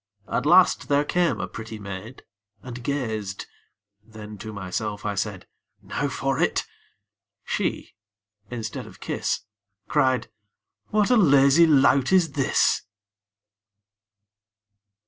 At last there came a pretty maid, And gazed; then to myself I said, 'Now for it!' She, instead of kiss, Cried, 'What a lazy lout is this!'